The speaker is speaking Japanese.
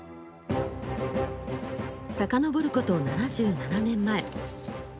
さかのぼること、７７年前。